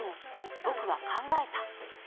僕は考えた。